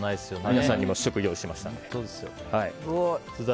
皆さんにも試食を用意しました。